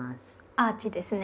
アーチですね。